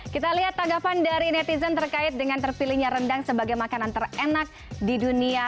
kita lihat tanggapan dari netizen terkait dengan terpilihnya rendang sebagai makanan terenak di dunia